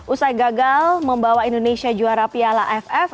usai gagal membawa indonesia juara piala aff